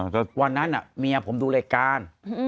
เพราะฉะนั้นเมียผมดูรายการ